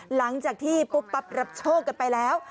หลังจากที่ปุ๊บปั๊บรับโชคกันไปแล้ว